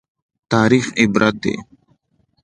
تاریخ عبرت دی